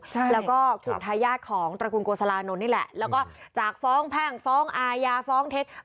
ใช่แล้วก็กลุ่มทายาทของตระกูลโกสลานนท์นี่แหละแล้วก็จากฟ้องแพ่งฟ้องอาญาฟ้องเท็จ